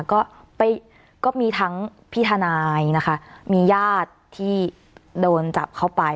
ก็ก็มีทั้งพี่ทนายนะคะมีญาติที่โดนจับเข้าไป